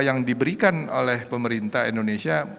yang diberikan oleh pemerintah indonesia